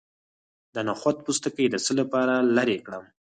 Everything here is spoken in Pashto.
د نخود پوستکی د څه لپاره لرې کړم؟